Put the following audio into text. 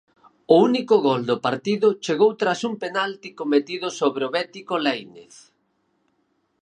O único gol do partido chegou tras un penalti cometido sobre o bético Lainez.